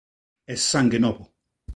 Es sangue novo.